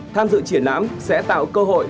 tham dự triển ám sẽ tạo cơ hội